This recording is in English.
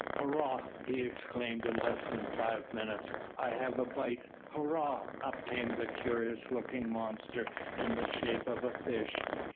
"Hurrah!" he exclaimed in less than five minutes, "I have a bite. Hurrah!" Up came a curious looking monster in the shape of a fish.